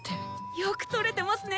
よく撮れてますね！